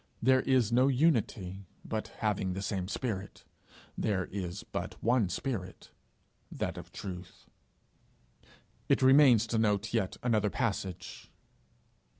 There is no unity but having the same spirit. There is but one spirit, that of truth. It remains to note yet another passage.